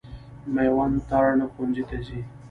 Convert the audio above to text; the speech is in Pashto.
مېوند تارڼ ښوونځي ته ځي.